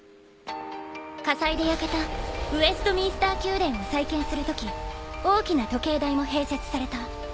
火災で焼けたウエストミンスター宮殿を再建するとき大きな時計台も併設された。